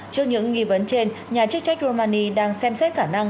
trước những nghi vấn trên nhà chức trách romani đang xem xét khả năng